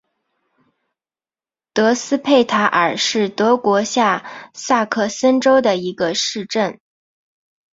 德斯佩塔尔是德国下萨克森州的一个市镇。